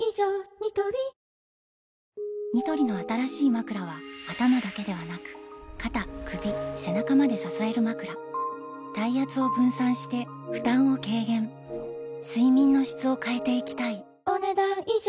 ニトリニトリの新しいまくらは頭だけではなく肩・首・背中まで支えるまくら体圧を分散して負担を軽減睡眠の質を変えていきたいお、ねだん以上。